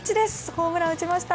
ホームラン打ちました。